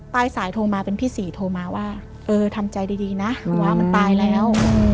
สายโทรมาเป็นพี่สี่โทรมาว่าเออทำใจดีนะวะมันตายแล้ว